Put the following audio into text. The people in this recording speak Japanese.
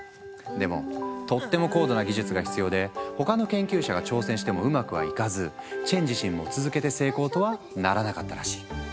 でもとっても高度な技術が必要で他の研究者が挑戦してもうまくはいかずチェン自身も続けて成功とはならなかったらしい。